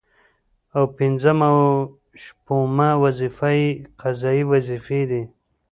او پنځمه او شپومه وظيفه يې قضايي وظيفي دي